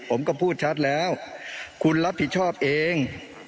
ผมก็พูดชัดแล้วคุณรับผิดชอบเอง